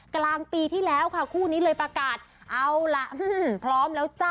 กลางปีที่แล้วค่ะคู่นี้เลยประกาศเอาล่ะพร้อมแล้วจ้ะ